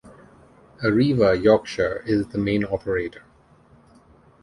Arriva Yorkshire is the main operator.